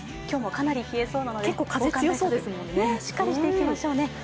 今日もかなり冷えそうなので防寒しっかりしていきましょうね。